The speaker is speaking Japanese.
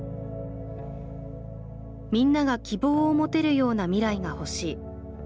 「みんなが希望を持てるような未来が欲しい。